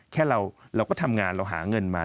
แค่เราก็ทำงานเราหาเงินมา